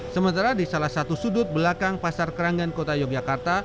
sementara di salah satu sudut belakang pasar keranggan kota yogyakarta